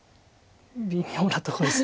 微妙なとこです。